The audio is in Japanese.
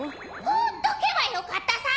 ほっとけばよかったさ！